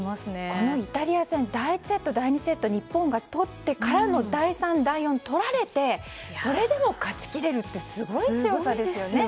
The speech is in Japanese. このイタリア戦第１セット、第２セットを日本が取ってからの第３、第４取られてそれでも勝ち切れるってすごい強さですよね。